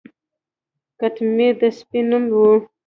قطمیر د سپي نوم و.